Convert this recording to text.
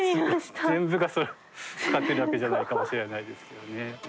全部がそれを使ってるわけじゃないかもしれないですけどね。